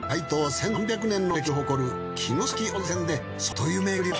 １３００年の歴史を誇る城崎温泉で外湯巡りも。